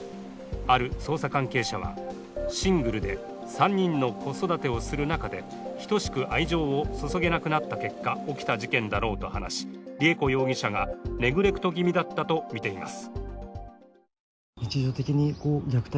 ある捜査関係者は、シングルで３人の子育てをする中で、等しく愛情を注げなくなった結果、起きた事件だろうと話し、りゑ子容疑者がネグレクト気味だったとみています。